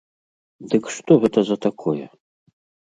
Дык што гэта за такое?